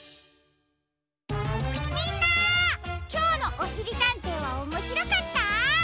みんなきょうの「おしりたんてい」はおもしろかった？